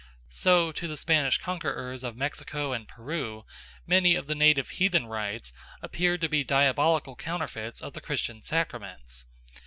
So to the Spanish conquerors of Mexico and Peru many of the native heathen rites appeared to be diabolical counterfeits of the Christian sacraments.